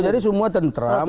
jadi semua tentram